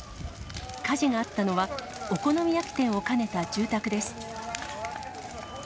火事があったのは、お好み焼き店を兼ねた住宅です。